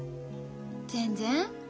全然。